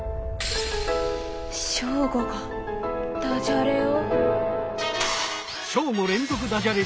ショーゴがダジャレを？